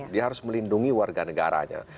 dia harus melindungi warga negaranya